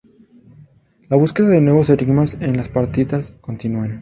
La búsqueda de nuevos enigmas en las partitas continúan.